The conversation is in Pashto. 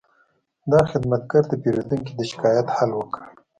دا خدمتګر د پیرودونکي د شکایت حل وکړ.